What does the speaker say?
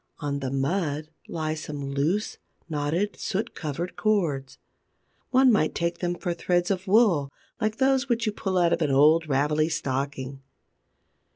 On the mud lie some loose, knotted, soot covered cords. One might take them for threads of wool like those which you pull out of an old ravelly stocking.